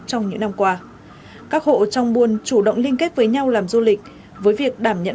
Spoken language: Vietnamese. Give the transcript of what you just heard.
trong những năm qua các hộ trong buôn chủ động liên kết với nhau làm du lịch với việc đảm nhận